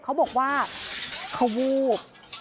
เขาบอกว่าเขาวูบ